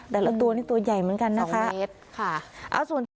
แต่ละตัวนี้ตัวใหญ่เหมือนกันนะคะสองเมตรค่ะเอาส่วน